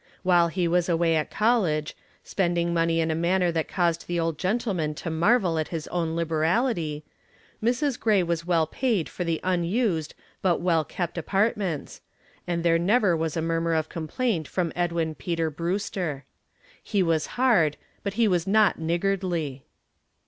While he was away at college, spending money in a manner that caused the old gentleman to marvel at his own liberality, Mrs. Gray was well paid for the unused but well kept apartments, and there never was a murmur of complaint from Edwin Peter Brewster. He was hard, but he was not niggardly.